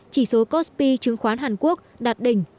chỉ số cospi chứng khoán hàn quốc đạt đỉnh